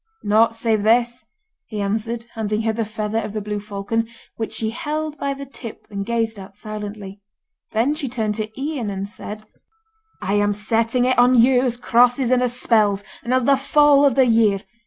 'Nought save this,' he answered, handing her the feather of the blue falcon, which she held by the tip and gazed at silently. Then she turned to Ian and said: 'I am setting it on you as crosses and as spells, and as the fall of the year!